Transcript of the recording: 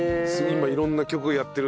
今色んな曲やってる。